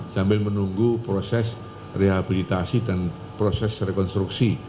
sambil menunggu proses rehabilitasi dan proses rekonstruksi